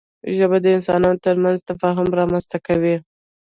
ژبه د انسانانو ترمنځ تفاهم رامنځته کوي